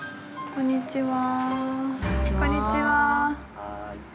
◆こんにちは。